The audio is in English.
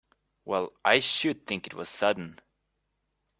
Well I should think it was sudden!